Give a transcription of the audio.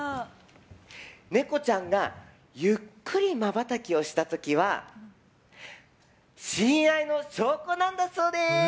ネコちゃんがゆっくりまばたきをした時は親愛の証拠なんだそうです。